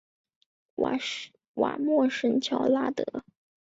瓦莫什乔拉德。